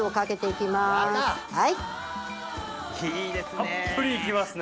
たっぷり行きますね！